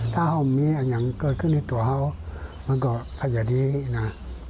ถ้าเขามีอย่างเกิดขึ้นในตัวเขามันก็พันธุ์เดียวนะ